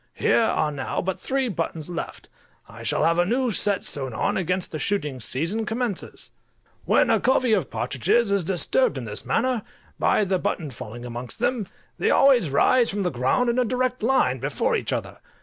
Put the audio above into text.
Here are now but three buttons left. I shall have a new set sewed on against the shooting season commences. When a covey of partridges is disturbed in this manner, by the button falling amongst them, they always rise from the ground in a direct line before each other.